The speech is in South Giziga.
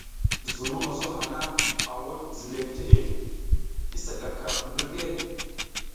Zuŋ mongoso hana, a wuɗ ziley teʼe, i sa gaka mbirke.